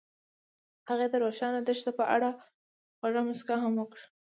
هغې د روښانه دښته په اړه خوږه موسکا هم وکړه.